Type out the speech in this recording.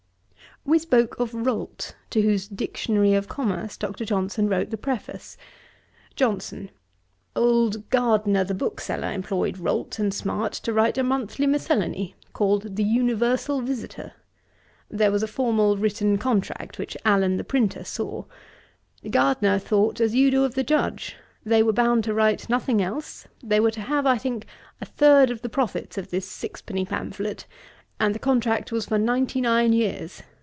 We spoke of Rolt, to whose Dictionary of Commerce Dr. Johnson wrote the Preface. JOHNSON. 'Old Gardner the bookseller employed Rolt and Smart to write a monthly miscellany, called The Universal Visitor. There was a formal written contract, which Allen the printer saw. Gardner thought as you do of the Judge. They were bound to write nothing else; they were to have, I think, a third of the profits of this sixpenny pamphlet; and the contract was for ninety nine years.